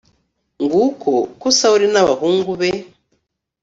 Nguko uko Sawuli n abahungu be